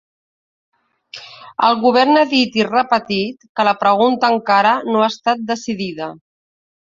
El govern ha dit i repetit que la pregunta encara no ha estat decidida.